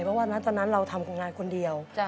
เพราะวันนั้นตอนนั้นเราทำงานคนเดียว